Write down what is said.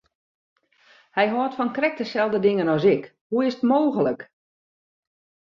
Hy hâldt fan krekt deselde dingen as ik, hoe is it mooglik!